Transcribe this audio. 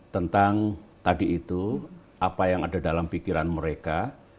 tentang tadi itu apa yang ada dalam pikiran mereka